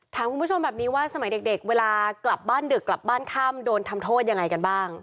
ถามคุณผู้ชมแบบนี้ว่าสมัยเด็กเวลากลับบ้านดึกกลับบ้านค่ำโดนทำโทษยังไงกันบ้าง